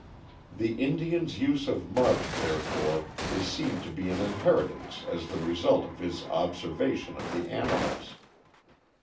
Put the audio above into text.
The Indian's use of mud, therefore, is seen to be an inheritance as the result of his observation of the animals.